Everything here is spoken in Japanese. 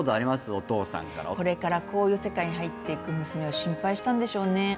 お父さんからこれからこういう世界に入っていく娘を心配したんでしょうね